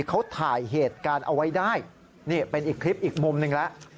เขาถ่ายเหตุการณ์เอาไว้ได้นี่เป็นอีกคลิปอีกมุมหนึ่งแล้ว